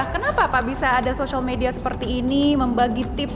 kenapa pak bisa ada social media seperti ini membagi tips